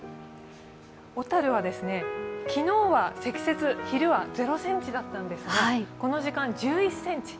小樽は昨日は積雪、昼はゼロセンチだったんですがこの時間、１１ｃｍ。